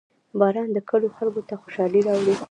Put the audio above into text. • باران د کلیو خلکو ته خوشحالي راوړي.